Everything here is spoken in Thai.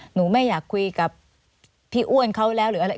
หนูไม่อยากคุยกับพี่อ้วนเขาแล้วหรืออะไร